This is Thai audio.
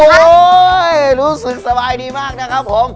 โอ้โหรู้สึกสบายดีมากนะครับผม